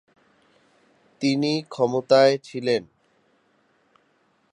তিনি ক্ষমতায় ছিলেন।